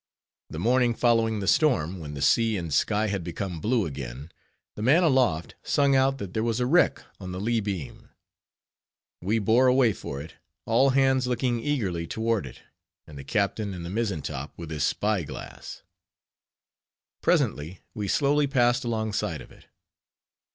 The morning following the storm, when the sea and sky had become blue again, the man aloft sung out that there was a wreck on the lee beam. We bore away for it, all hands looking eagerly toward it, and the captain in the mizzen top with his spy glass. Presently, we slowly passed alongside of it.